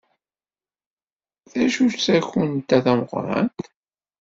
D acu-tt takunt-a tameqrant?